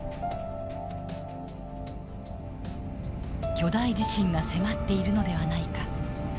巨大地震が迫っているのではないか。